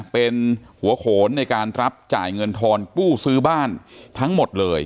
เป็นหัวโขนในการรับจ่ายเงินทอนกู้ซื้อบ้านทั้งหมดเลย